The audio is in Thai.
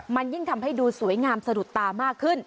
มันยิ่งทำให้ดูสวยงามสะดุดตามากขึ้น